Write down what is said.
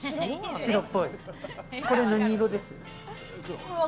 これ何色です？